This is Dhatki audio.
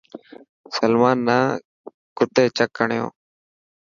سلمان نا ڪٿي چڪ هڻيو.